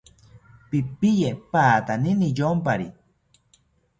Pipiye patani niyompari